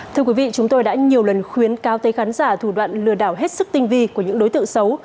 thưa quý vị chúng tôi đã nhiều lần khuyến cáo tới khán giả thủ đoạn lừa đảo hết sức tinh vi của những đối tượng xấu